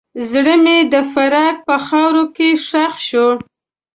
زړه مې د فراق په خاوره کې ښخ شو.